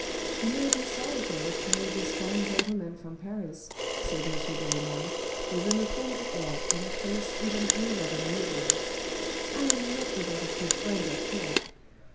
" He may be sorry for it, may this fine gentleman from Paris," said M. de Renal, with an offended air and a face even paler than usual. " I am not without a few friends at court